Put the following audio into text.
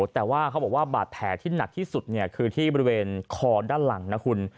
แต่ว่าเขาบอกว่าบาดแผลที่หนักที่สุดคือที่บริเวณคอด้านหลังนะคุณ